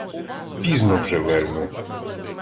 — Пізно вже вельми.